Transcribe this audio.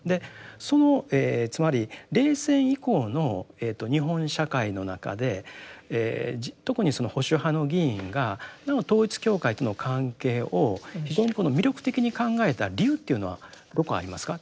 そのつまり冷戦以降の日本社会の中で特にその保守派の議員がなお統一教会との関係を非常に魅力的に考えた理由というのはどこありますか。